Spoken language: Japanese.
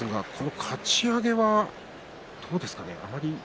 かち上げは、どうでした？